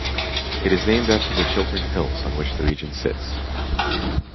It is named after the Chiltern Hills on which the region sits.